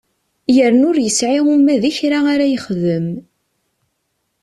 Yerna ur yesɛi uma d kra ara yexdem.